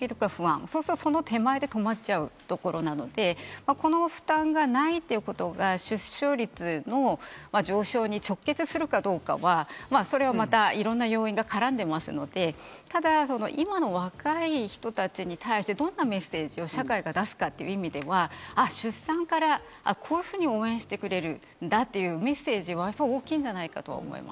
そうそうすると、その手前で止まっちゃうところなので、この負担がないということが出生率の上昇に直結するかどうかは、それはまたいろんな要因が絡んでいますので、ただ今の若い人たちに対して、どんなメッセージを社会が出すかという意味では、出産からこういうふうに応援してくれるんだというメッセージは大きいんじゃないかと思います。